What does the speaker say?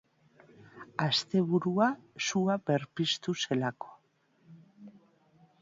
Asteburua sua berpiztu zelako.